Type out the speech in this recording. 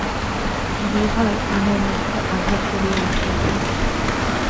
বিভার প্রাণের মধ্যে আঁধার করিয়া আসিয়াছে।